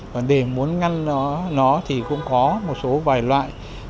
còn để muốn ngăn nó thì cũng có một số vài loại